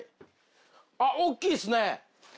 おっきいっすね。